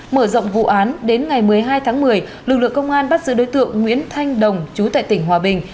mở rộng vụ án đến ngày một mươi hai tháng một mươi lực lượng công an bắt giữ đối tượng nguyễn thanh đồng chú tại tỉnh hòa bình